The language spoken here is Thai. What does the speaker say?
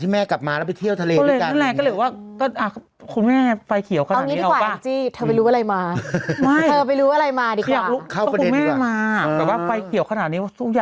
แม้เคียวเผลอไหมช่วยไปเห็นก่อน